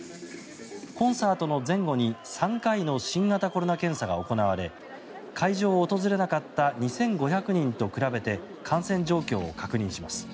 コンサートの前後に３回の新型コロナ検査が行われ会場を訪れなかった２５００人と比べて感染状況を確認します。